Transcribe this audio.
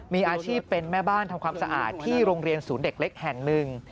มีอาชีพเป็นแม่บ้านทำความสะอาดที่โรงเรียนศูนย์เด็กเล็กแห่งหนึ่ง